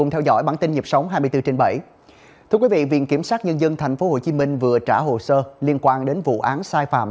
thưa quý vị viện kiểm sát nhân dân tp hcm vừa trả hồ sơ liên quan đến vụ án sai phạm